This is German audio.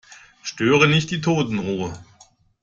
Störe nicht die Totenruhe.